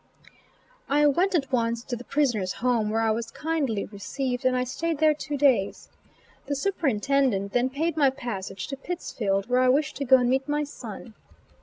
I went at once to the Prisoners Home, where I was kindly received, and I stayed there two days. The superintendent then paid my passage to Pittsfield where I wished to go and meet my son.